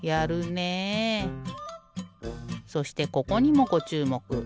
そしてここにもごちゅうもく。